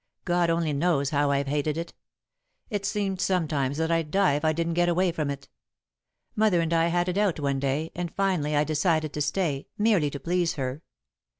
God only knows how I've hated it! It's seemed sometimes that I'd die if I didn't get away from it. Mother and I had it out one day, and finally I decided to stay, merely to please her.